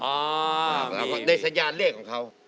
แต่แล้วก็ในสัญญาณเลขของเขา